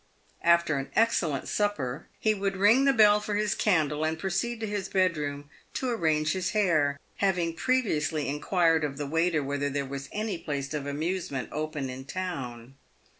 After an excellent supper he would ring the bell for his candle and proceed to his bedroom to arrange his hair, having previously inquired of the waiter whether there was any place of amusement open in the town.